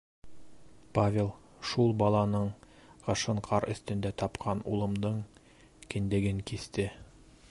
Павел шул баланың, ҡышын ҡар өҫтөндә тапҡан улымдың, кендеген киҫте.